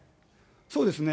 そうですね。